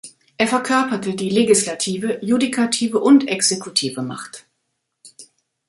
Er verkörperte die legislative, judikative und exekutive Macht.